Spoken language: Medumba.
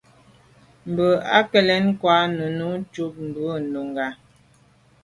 Bə̀k à' lɛ̌n kwāh nʉ́nʉ̄ cúp bú Nùngà.